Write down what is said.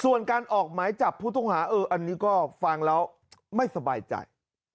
ส่วนการออกหมายจับผู้ต้องหาเอออันนี้ก็ฟังแล้วไม่สบายใจ